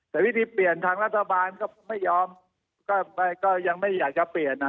แต่วิธีเปลี่ยนทางรัฐบาลก็ไม่ยอมก็ยังไม่อยากจะเปลี่ยน